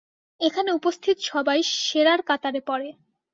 এখানে উপস্থিত সবাই সেরার কাতারে পড়ে।